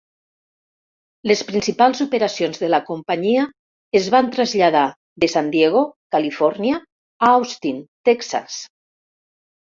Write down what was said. Les principals operacions de la companyia es van traslladar de San Diego, Califòrnia a Austin, Texas.